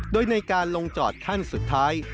โดยในการลงจอดขั้นสุดท้าย